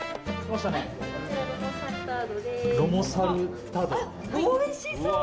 うわおいしそう！